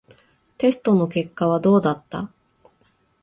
テストの結果はどうだった？